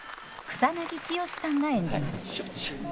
草剛さんが演じます。